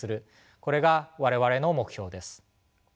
これが我々の目標です。